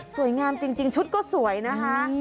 สวยงามจริงชุดก็สวยนะคะ